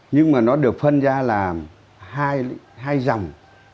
nhưng mà nó được phân ra là hai dòng